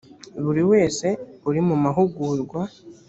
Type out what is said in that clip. buri wese uri mu mahugurwa